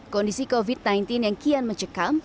kondisi covid sembilan belas yang kian mencekam